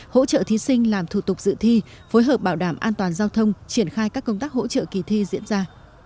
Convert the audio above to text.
hỗ trợ thí sinh làm thủ tục dự thi phối hợp bảo đảm an toàn giao thông triển khai các công tác hỗ trợ kỳ thi diễn ra